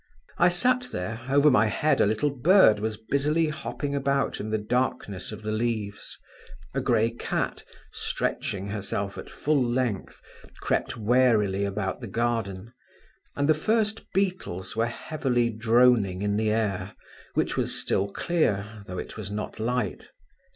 I sat there; over my head a little bird was busily hopping about in the darkness of the leaves; a grey cat, stretching herself at full length, crept warily about the garden, and the first beetles were heavily droning in the air, which was still clear, though it was not light.